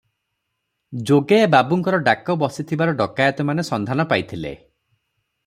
ଯୋଗେୟା ବାବୁଙ୍କର ଡାକ ବସିଥିବାର ଡକାୟତମାନେ ସନ୍ଧାନ ପାଇଥିଲେ ।